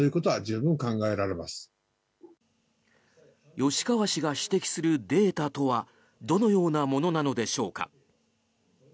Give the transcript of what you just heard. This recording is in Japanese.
吉川氏が指摘するデータとはどのようなものなのでしょうか。